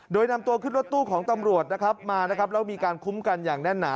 โดยนำตัวขึ้นรถตู้ของตำรวจนะครับมานะครับแล้วมีการคุ้มกันอย่างแน่นหนา